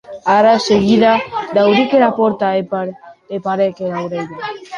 Ara seguida dauric era pòrta e parèc era aurelha.